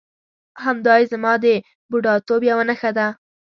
همدایې زما د بوډاتوب یوه نښه ده.